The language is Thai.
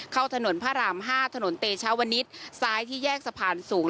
เข้าถนนพระราม๕ถนนเตชาวณิตซ้ายที่แยกสะพานสูง